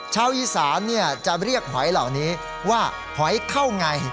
ชาวอีสานจะเรียกหอยเหล่านี้ว่าหอยเข้าไง